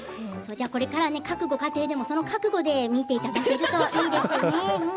各ご家庭でもその覚悟で見ていただけるといいですね。